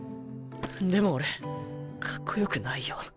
でも俺かっこよくないよ。